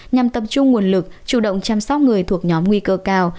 nhằm tập trung nguồn lực chủ động chăm sóc người thuộc nhóm nguy cơ cao